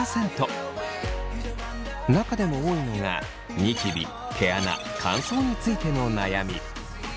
中でも多いのがニキビ毛穴乾燥についての悩み。